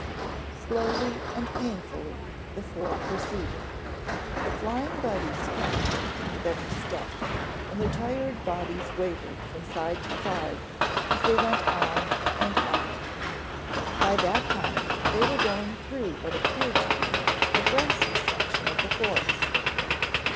Slowly and painfully the four proceeded. The Flying Buddies' feet hurt with every step, and their tired bodies wavered from side to side as they went on and on. By that time they were going through what appeared to be a grassy section of the forest.